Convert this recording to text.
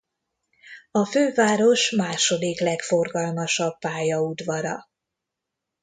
A főváros második legforgalmasabb pályaudvara.